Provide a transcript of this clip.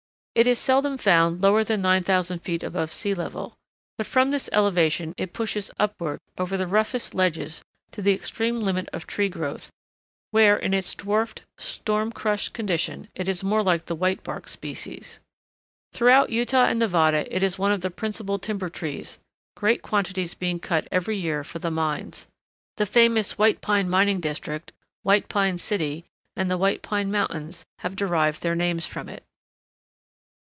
It is seldom found lower than 9000 feet above sea level, but from this elevation it pushes upward over the roughest ledges to the extreme limit of tree growth, where, in its dwarfed, storm crushed condition, it is more like the white barked species. Throughout Utah and Nevada it is one of the principal timber trees, great quantities being cut every year for the mines. The famous White Pine Mining District, White Pine City, and the White Pine Mountains have derived their names from it.